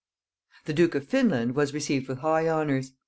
"] The duke of Finland was received with high honors.